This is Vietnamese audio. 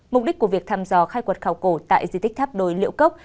mục đích của việc thăm dò khai quật khảo cổ tại di tích tháp đồi liễu cốc